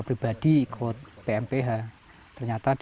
kehidupan honda buat sofil memang menjadi kemotivasi